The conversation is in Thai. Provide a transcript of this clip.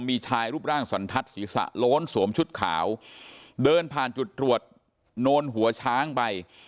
มีชายรูปร่างสันทัศน์ศีรษะโล้นสวมชุดขาวเดินผ่านจุดตรวจโนนหัวช้างไป